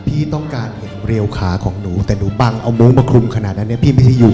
พี่ต้องการเห็นเรียวขาของหนูแต่หนูปังเอามุ้งมาคลุมขนาดนั้นเนี่ยพี่ไม่ได้อยู่